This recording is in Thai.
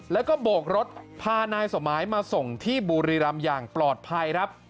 แล้วก็โบกรถพานายสมัยมาส่งที่บุรีรำอย่างปลอดภัยครับ